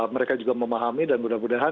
mereka juga memahami dan mudah mudahan